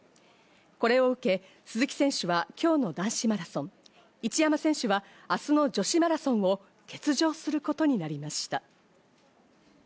これを受け、鈴木選手は今日の男子マラソン、一山選手は明日の女子マラソンを欠場することになりました。